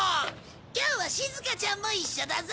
今日はしずかちゃんも一緒だぞ！